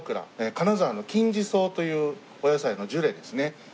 金沢の金時草というお野菜のジュレですね。